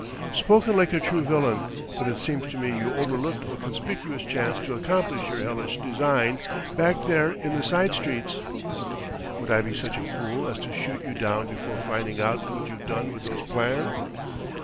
"Spoken like a true villain! But it seems to me you overlooked a conspicuous chance to accomplish your hellish design, back there in the side streets." "Would I be such a fool as to shoot you down before finding out what you've done with those plans?"